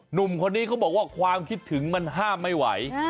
หนุ่มคนนี้เขาบอกว่าความคิดถึงมันห้ามไม่ไหว